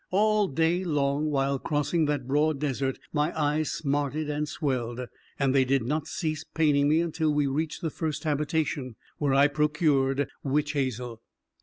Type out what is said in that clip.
All day long while crossing that broad desert my eyes smarted and swelled, and they did not cease paining me until we reached the first habitation, where I procured witch hazel.